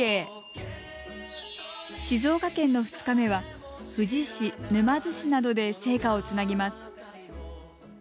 静岡県の２日目は富士市、沼津市などで聖火をつなぎます。